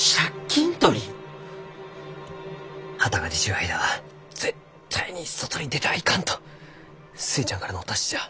旗が出ちゅう間は絶対に外に出てはいかんと寿恵ちゃんからのお達しじゃ。